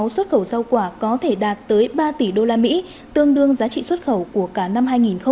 xuất khẩu rau quả có thể đạt tới ba tỷ usd tương đương giá trị xuất khẩu của cả năm hai nghìn hai mươi